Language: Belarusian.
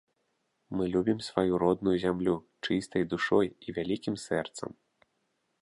Мы любім сваю родную зямлю чыстай душой і вялікім сэрцам.